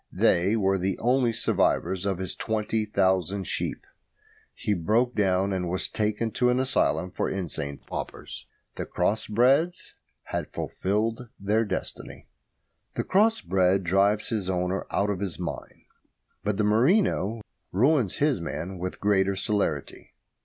They were the only survivors of his twenty thousand sheep. He broke down, and was taken to an asylum for insane paupers. The cross breds had fulfilled their destiny. The cross bred drives his owner out of his mind, but the merino ruins his man with greater celerity.